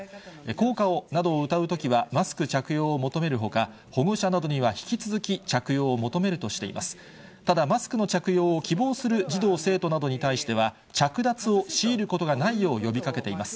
校歌などを歌うときは、マスク着用を求めるほか、保護者などには引き続き着用を求めるとしています。